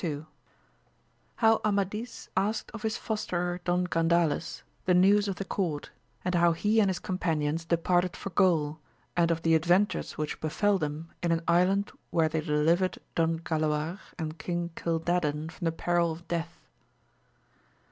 — ^How Amadis asked of his fosterer Don Gandales the news of the court, and how he and his companions de parted for Gaul, and of the adventures which befell them in an island where they delivered Don Galaorand King CUdadan from the peril of death.